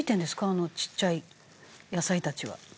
あのちっちゃい野菜たちは。